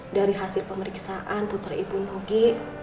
dari hasil pemeriksaan putri ibu nugi